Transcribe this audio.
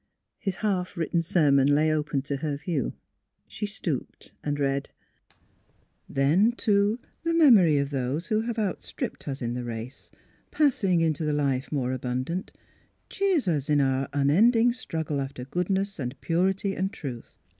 His half written sermon lay open to her view. She stooped and read :<' Then, too, the memory of those who have outstripped us in the race, passing into the life more abundant, cheers us in our unending strug gle after goodness and purity and truth.